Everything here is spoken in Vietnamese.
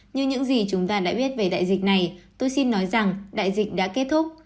như những gì chúng ta đã biết về đại dịch này tôi xin nói rằng đại dịch đã kết thúc